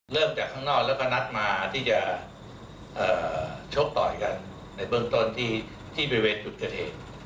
จากข้างนอกแล้วก็นัดมาที่จะชกต่อยกันในเบื้องต้นที่บริเวณจุดเกิดเหตุ